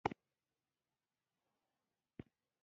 ګلاب د ښکلا رنګین تعبیر دی.